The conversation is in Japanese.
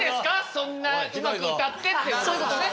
そんなうまく歌って」っていうことですね。